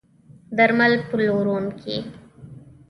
درمل پلورونکي